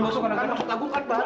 masuk apa masuk apa